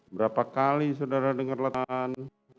berapa kali saudara dengar lengan